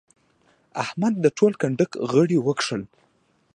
احمد د ټول کنډک غړي وکښل.